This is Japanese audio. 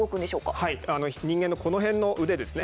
はい人間のこの辺の腕ですね。